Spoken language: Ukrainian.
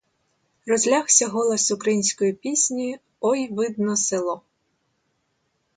Розлягся голос української пісні, „Ой видно село”.